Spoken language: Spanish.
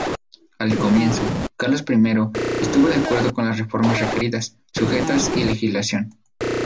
Al comienzo, Carlos I estuvo de acuerdo con las reformas requeridas, sujetas a legislación.